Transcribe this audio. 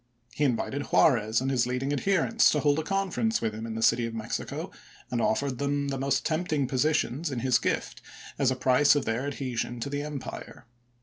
He invited Juarez and his leading adherents to hold a conference with him in the City of Mexico, and offered them the most tempting positions in his gift as a price of their adhesion to the empire.